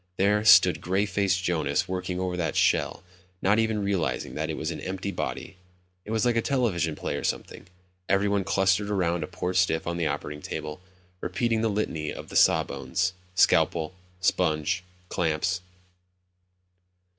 There stood gray faced Jonas working over that shell, not even realizing that it was an empty body. It was like a television play or something; everyone clustered around a poor stiff on the operating table, repeating the litany of the saw bones. "Scalpel ... sponge ... clamps